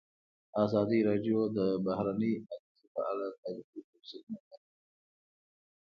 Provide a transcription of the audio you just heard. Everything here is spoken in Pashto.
ازادي راډیو د بهرنۍ اړیکې په اړه تاریخي تمثیلونه وړاندې کړي.